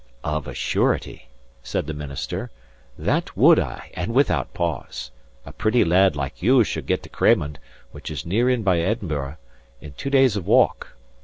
"Of a surety," said the minister, "that would I, and without pause. A pretty lad like you should get to Cramond (which is near in by Edinburgh) in two days of walk.